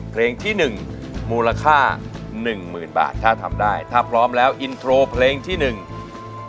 เพลงที่๑มูลค่า๑๐๐๐๐บาทถ้าทำได้ถ้าพร้อมแล้วอินโทรเพลงที่๑มาเลยครับ